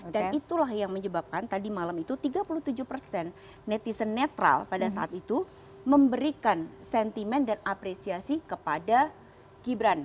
dan itulah yang menyebabkan tadi malam itu tiga puluh tujuh netizen netral pada saat itu memberikan sentimen dan apresiasi kepada gibran